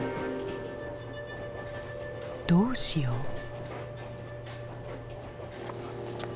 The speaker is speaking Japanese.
どうしよう。